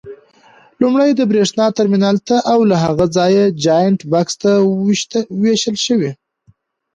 لومړی د برېښنا ترمینل ته او له هغه ځایه جاینټ بکس ته وېشل شوي.